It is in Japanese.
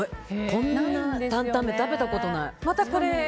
こんな担々麺食べたことない。